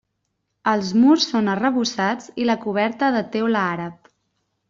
Els murs són arrebossats i la coberta de teula àrab.